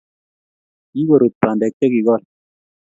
Kikorut bandek chikigol